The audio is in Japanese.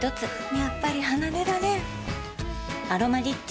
やっぱり離れられん「アロマリッチ」